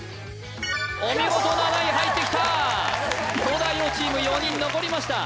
お見事７位入ってきた東大王チーム４人残りました